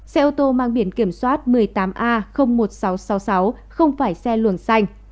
xe ô tô mang biển kiểm soát một mươi tám a một nghìn sáu trăm sáu mươi sáu không phải xe luồng xanh